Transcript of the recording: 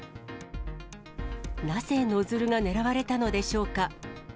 なぜノズルが狙われたのでしょうか。